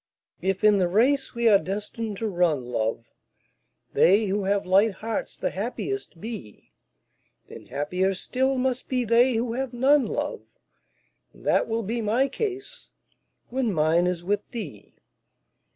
If in the race we are destined to run, love, They who have light hearts the happiest be, Then happier still must be they who have none, love. And that will be my case when mine is with thee.